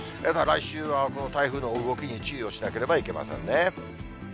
ただ来週はこの台風の動きに注意をしなければいけませんね。